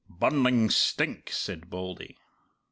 'Burning stink!' said Bauldy."